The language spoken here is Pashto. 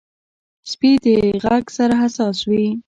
سپي د غږ سره حساس وي.